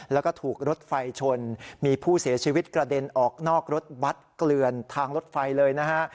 แล้วก็ถูกรถไฟชนมีผู้เสียชีวิตกระเด็นออกนอกรถบัตรเกลือนทางรถไฟเลยนะฮะ